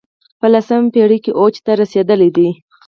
په لسمه پېړۍ کې اوج ته رسېدلی دی